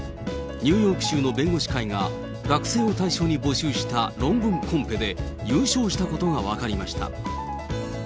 ニューヨーク州の弁護士会が、学生を対象に募集した論文コンペで優勝したことが分かりました。